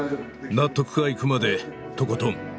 納得がいくまでとことん。